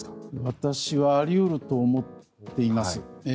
私はあり得ると思っています。